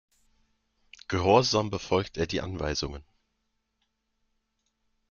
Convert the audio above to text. Gehorsam befolgt er die Anweisungen.